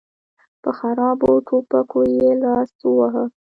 په خرابو ټوپکو یې لاس وواهه.